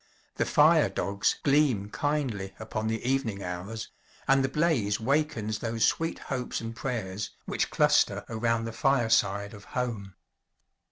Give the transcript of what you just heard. The fire dogs gleam kindly upon the evening hours; and the blaze wakens those sweet hopes and prayers which cluster around the fireside of home.